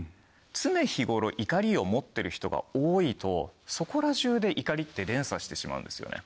常日頃怒りを持ってる人が多いとそこら中で怒りって連鎖してしまうんですよね。